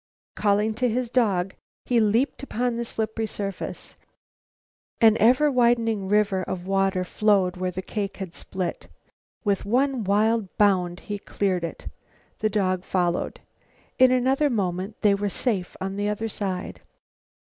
Calling to his dog, he leaped upon the slippery surface. An ever widening river of water flowed where the cake had split. With one wild bound, he cleared it. The dog followed. In another moment they were safe on the other side.